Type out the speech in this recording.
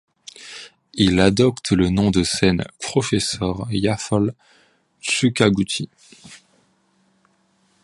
Il adopte le nom de scène Professor Yaffle Chuckabutty.